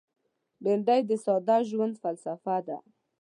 بېنډۍ د ساده ژوند فلسفه ده